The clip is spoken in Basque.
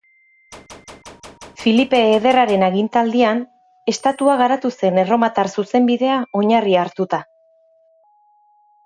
Filipe Ederraren agintaldian estatua garatu zen erromatar zuzenbidea oinarri hartuta.